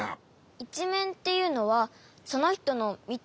いちめんっていうのはそのひとのみためってこと？